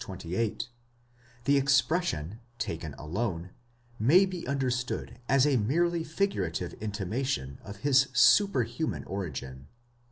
28), the expression, taken alone, may be understood as a merely figurative intimation of his superhuman origin.